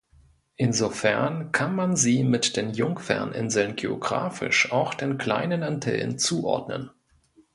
Insofern kann man sie mit den Jungferninseln geografisch auch den Kleinen Antillen zuordnen.